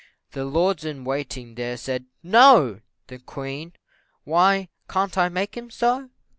The lords in waiting there, said "No!" The Queen "Why, can't I make him so?"